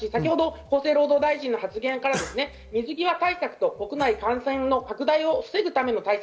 厚生労働大臣の発言から水際対策と国内感染の拡大を防ぐための対策